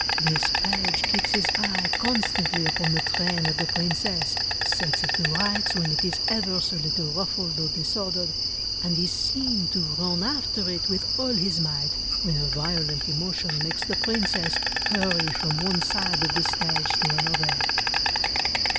This page keeps his eye constantly upon the train of the princess, sets it to rights when it is ever so little ruffled or disordered, and is seen to run after it with all his might, when a violent emotion makes the princess hurry from one side of the stage to another."